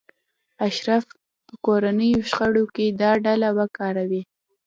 اشراف به کورنیو شخړو کې دا ډله وکاروي.